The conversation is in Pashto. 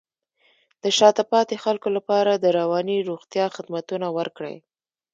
د شاته پاتې خلکو لپاره د رواني روغتیا خدمتونه ورکړئ.